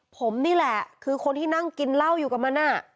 ผมนี่แหละคือคนที่นั่งกินเหล้าอยู่กับมัน